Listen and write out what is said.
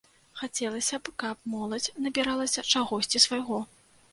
Хацелася б, каб моладзь набіралася чагосьці свайго.